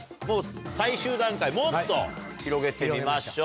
最終段階もっと広げてみましょう。